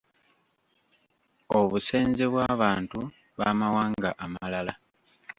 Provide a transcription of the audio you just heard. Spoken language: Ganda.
Obusenze bw’abantu b’amawanga amalala